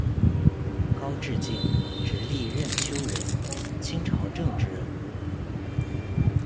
高质敬，直隶任丘人，清朝政治人物。